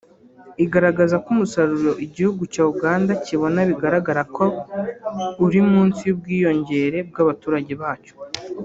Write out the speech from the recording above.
igaragaza ko umusaruro igihugu cya Uganda kibona bigaragara ko uri munsi y’ubwiyongere bw’abaturage bacyo